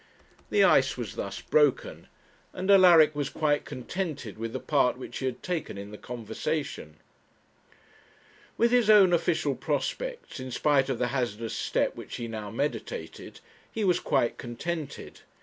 The ice was thus broken, and Alaric was quite contented with the part which he had taken in the conversation. With his own official prospects, in spite of the hazardous step which he now meditated, he was quite contented.